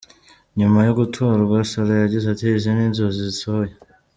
Nyuma yo gutorwa Salah yagize ati “Izi ni inzozi zisohoye.